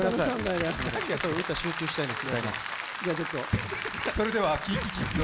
歌集中したいんで。